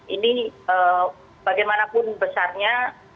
ini bagaimanapun besarnya